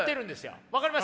分かります？